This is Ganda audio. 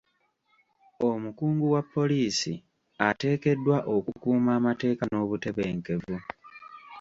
Omukungu wa poliisi ateekeddwa okukuuma amateeka n'obutebenkevu.